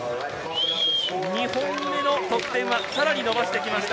２本目の得点は、さらに伸ばしてきました。